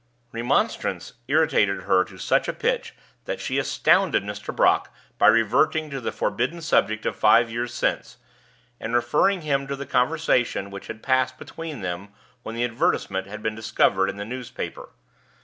Remonstrance irritated her to such a pitch that she astounded Mr. Brock by reverting to the forbidden subject of five years since, and referring him to the conversation which had passed between them when the advertisement had been discovered in the newspaper.